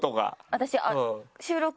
私。